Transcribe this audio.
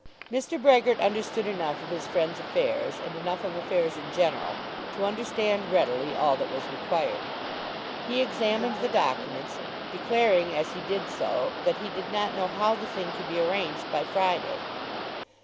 Mr. Brehgert understood enough of his friend's affairs, and enough of affairs in general, to understand readily all that was required. He examined the documents, declaring as he did so that he did not know how the thing could be arranged by Friday.